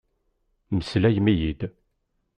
Meslayem-iyi-d!